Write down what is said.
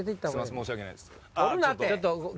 申し訳ないです。